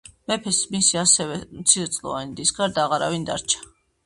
მეფეს მისი ასევე მცირეწლოვანი დის გარდა აღარავინ დარჩა.